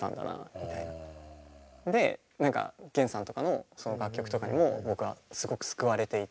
で何か源さんとかのその楽曲とかにも僕はすごく救われていたので。